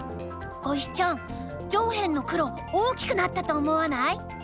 ごいしちゃん上辺の黒大きくなったと思わない？